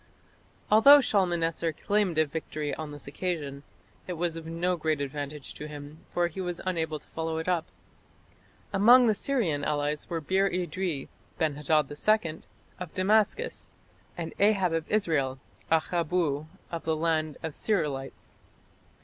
Although Shalmaneser claimed a victory on this occasion, it was of no great advantage to him, for he was unable to follow it up. Among the Syrian allies were Bir idri (Ben hadad II) of Damascus, and Ahab of Israel ("Akhabbu of the land of the Sir'ilites").